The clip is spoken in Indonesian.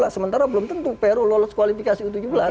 sementara belum tentu peru lolos kualifikasi u tujuh belas